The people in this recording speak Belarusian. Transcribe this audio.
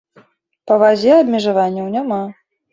Па вазе абмежаванняў няма!